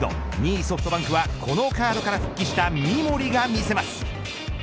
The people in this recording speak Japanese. ２位ソフトバンクはこのカードから復帰した三森が見せます。